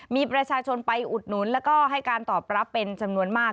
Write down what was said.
มีประชาชนไปอุดหนุนแล้วก็ให้การตอบรับเป็นจำนวนมาก